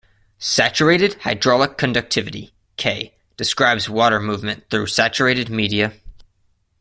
Saturated hydraulic conductivity, "K", describes water movement through saturated media.